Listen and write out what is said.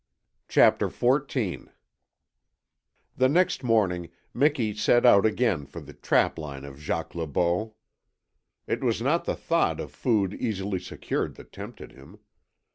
CHAPTER FOURTEEN The next morning Miki set out again for the trapline of Jacques Le Beau. It was not the thought of food easily secured that tempted him.